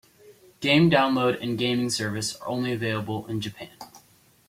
Game download and gaming service only available in Japan.